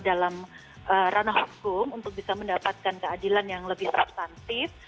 kita akan menemukan penyintas yang lebih berguna dalam ranah hukum untuk bisa mendapatkan keadilan yang lebih substantif